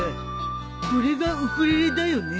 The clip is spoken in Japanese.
これがウクレレだよね？